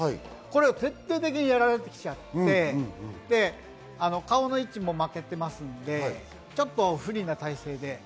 徹底的にやられてきちゃって、顔の位置も負けていますので、不利な体勢です。